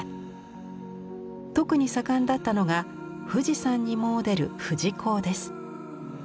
特に盛んだったのが富士山に詣でる「富士講」です。